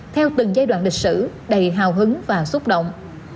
theo từng giai đoạn lịch sử đầy hào hứng và xúc động